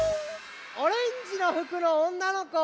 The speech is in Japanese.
オレンジのふくのおんなのこ。